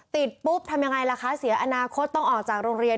ติดปุ๊บทำยังไงล่ะคะเสียอนาคตต้องออกจากโรงเรียน